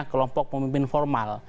kelompok pemimpin formal